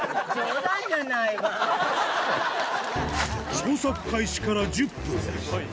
捜索開始から１０分スゴいな。